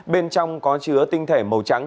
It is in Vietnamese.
bên trong có chứa tinh thể màu trắng